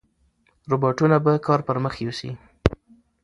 روباټونه به کار پرمخ یوسي.